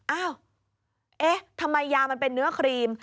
อ้าวเอ๊ะทำไมยามันเป็นเนื้อครีม